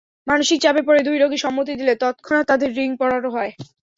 মানসিক চাপে পড়ে দুই রোগী সম্মতি দিলে তৎক্ষণাৎ তাঁদের রিং পরানো হয়।